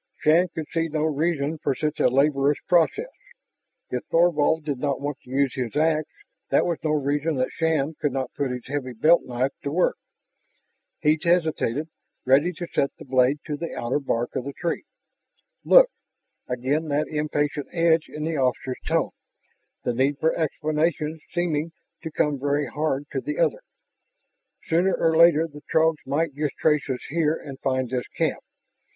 Shann could see no reason for such a laborious process. If Thorvald did not want to use his ax, that was no reason that Shann could not put his heavy belt knife to work. He hesitated, ready to set the blade to the outer bark of the tree. "Look " again that impatient edge in the officer's tone, the need for explanation seeming to come very hard to the other "sooner or later the Throgs might just trace us here and find this camp.